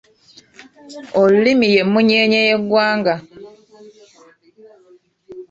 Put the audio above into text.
Olulimi y'emmunyeenye y'eggwanga.